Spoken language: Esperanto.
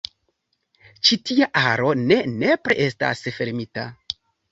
Ĉi tia aro ne nepre estas fermita.